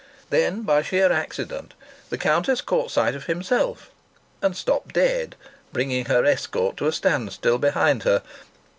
Then, by sheer accident, the Countess caught sight of himself and stopped dead, bringing her escort to a standstill behind her.